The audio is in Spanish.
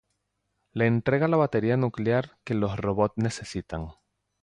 Le entrega la batería nuclear que los robots necesitan.